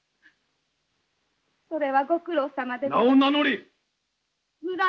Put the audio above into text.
それはご苦労さまでございます。